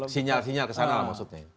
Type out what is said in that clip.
sinyal sinyal kesana lah maksudnya